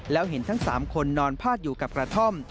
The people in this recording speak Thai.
แล้วเห็นทั้ง๓คนนอนพาดอยู่กับกระท่อม